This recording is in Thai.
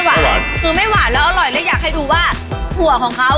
หวานคือไม่หวานแล้วอร่อยและอยากให้ดูว่าถั่วของเขา